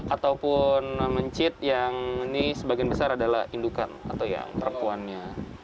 ataupun mencit yang ini sebagian besar adalah indukan atau yang perempuannya